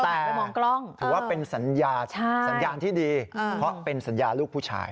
แต่ถือว่าเป็นสัญญาที่ดีเพราะเป็นสัญญาลูกผู้ชาย